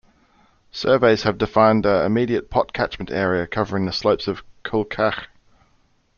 Surveys have defined a immediate pot catchment area covering the slopes of Cuilcagh.